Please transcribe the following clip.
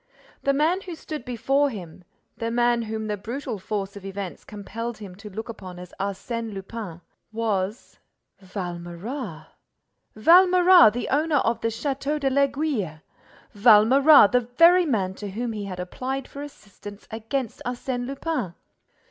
The man who stood before him, the man whom the brutal force of events compelled him to look upon as Arsène Lupin, was—Valméras! Valméras, the owner of the Château de l'Aiguille! Valméras, the very man to whom he had applied for assistance against Arsène Lupin!